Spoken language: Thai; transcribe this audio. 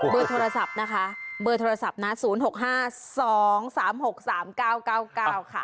เบอร์โทรศัพท์นะคะเบอร์โทรศัพท์นะ๐๖๕๒๓๖๓๙๙๙ค่ะ